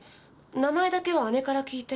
名前だけは姉から聞いて。